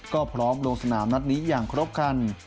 ก็พร้อมลงสนามนัดนี้อย่างครบคัน